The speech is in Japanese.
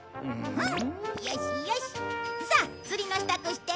うん。